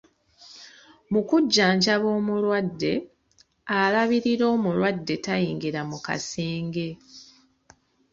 Mu kujjanjaba omulwadde, alabirira omulwadde tayingira mu kasenge.